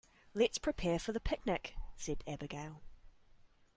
"Let's prepare for the picnic!", said Abigail.